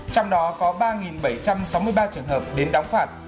trong đó có ba bảy trăm sáu mươi ba trường hợp đến đóng phạt